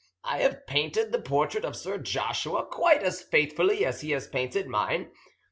I have painted the portrait of Sir Joshua quite as faithfully as he has painted mine.